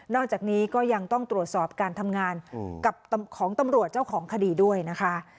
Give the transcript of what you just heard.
จากนี้ก็ยังต้องตรวจสอบการทำงานกับของตำรวจเจ้าของคดีด้วยนะคะ